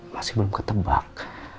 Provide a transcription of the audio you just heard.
masih belum ketebak